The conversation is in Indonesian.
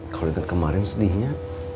kalo ingat kemarin sedihnya